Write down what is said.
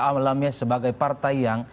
alamiah sebagai partai yang